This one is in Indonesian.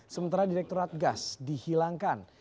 sementara direktorat gas dihilangkan